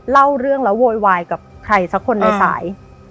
เล่าเรื่องแล้วโวยวายกับใครสักคนในสาย